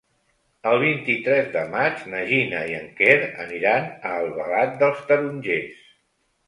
El vint-i-tres de maig na Gina i en Quer aniran a Albalat dels Tarongers.